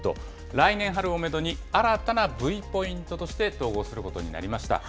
来年春をメドに、新たなＶポイントとして統合することになりました。